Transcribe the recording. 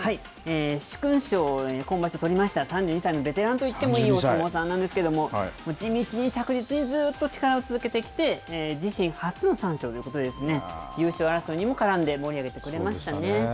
殊勲賞を今場所取りました、３２歳のベテランといってもいいお相撲さんなんですけれども、もう地道に着実に、ずっと力をつけてきて、自身初の三賞ということですよね。